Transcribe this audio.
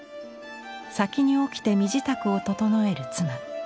先に起きて身支度を整える妻。